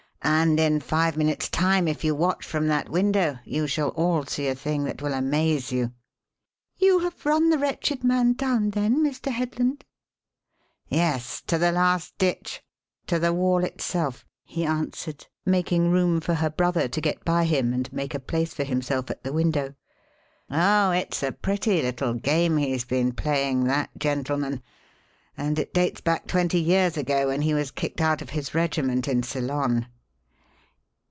"And in five minutes' time if you watch from that window you all shall see a thing that will amaze you." "You have run the wretched man down, then, Mr. Headland?" "Yes to the last ditch, to the wall itself," he answered, making room for her brother to get by him and make a place for himself at the window. "Oh, it's a pretty little game he's been playing, that gentleman, and it dates back twenty years ago when he was kicked out of his regiment in Ceylon."